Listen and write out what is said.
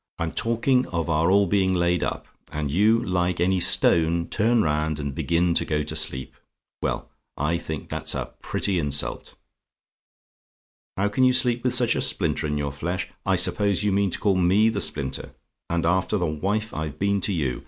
I'm talking of our all being laid up; and you, like any stone, turn round and begin to go to sleep. Well, I think that's a pretty insult! "HOW CAN YOU SLEEP WITH SUCH A SPLINTER IN YOUR FLESH? "I suppose you mean to call me the splinter? and after the wife I've been to you!